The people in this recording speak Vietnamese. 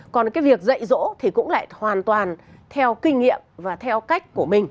còn cái việc dậy rỗ thì cũng lại hoàn toàn theo kinh nghiệm và theo cách của mình